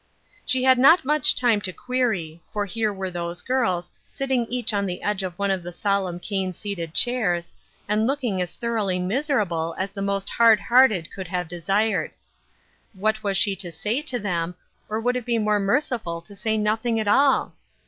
She had not much time to query, for here were these girls, sitting each on the edge of one of the solemn cane seated chairs, and looking as thor roughly miserable as the most hard hearted could have desired. What was she to say to them, or would it be more merciful to say nothing at all